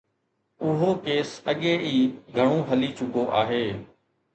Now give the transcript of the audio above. اهو ڪيس اڳي ئي گهڻو هلي چڪو آهي.